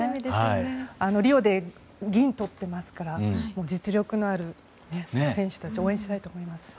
リオで銀とってますから実力のある選手たちを応援したいと思います。